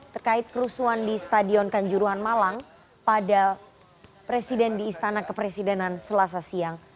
terkait kerusuhan di stadion kanjuruhan malang pada presiden di istana kepresidenan selasa siang